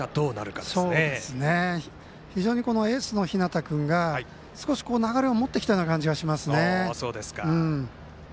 そうですね、非常にエースの日當君が少し流れを持ってきた感じがしますね。